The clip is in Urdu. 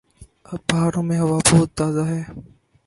پہاڑوں میں ہوا بہت تازہ ہے۔